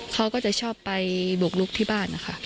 เขาก็จะชอบไปบุกลุกที่บ้านนะคะ